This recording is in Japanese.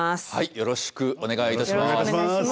よろしくお願いします。